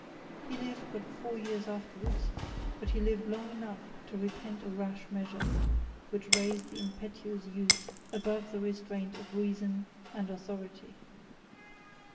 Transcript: He lived but four years afterwards: but he lived long enough to repent a rash measure, which raised the impetuous youth above the restraint of reason and authority.